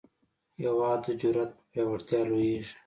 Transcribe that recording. هېواد د جرئت په پیاوړتیا لویېږي.